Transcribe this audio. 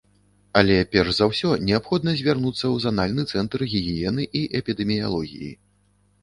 Але перш за ўсё неабходна звярнуцца ў занальны цэнтр гігіены і эпідэміялогіі.